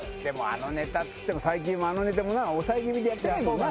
ネタっつっても最近あのネタも抑え気味でやってないもんな。